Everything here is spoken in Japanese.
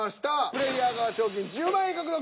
プレイヤーが賞金１０万円獲得。